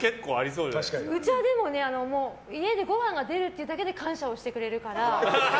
うちはでも、家でごはんが出るだけで感謝してくれるから。